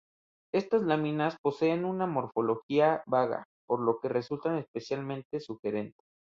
Estas láminas poseen una morfología vaga por lo que resultan especialmente sugerentes.